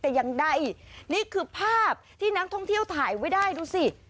แต่ยังได้นี่คือภาพที่นักท่องเที่ยวถ่ายไว้ได้ดูสิ